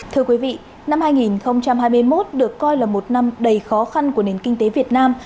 thưa quý vị năm hai nghìn hai mươi một được coi là một năm đầy khó khăn của nền kinh tế việt nam